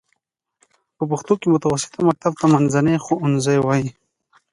په پښتو کې متوسطه مکتب ته منځنی ښوونځی وايي.